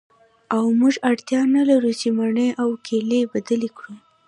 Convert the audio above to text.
او موږ اړتیا نلرو چې مڼې او کیلې بدلې کړو